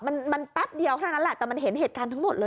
มันมันแป๊บเดียวเท่านั้นแหละแต่มันเห็นเหตุการณ์ทั้งหมดเลย